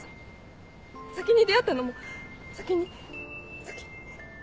先に出会ったのも先に先。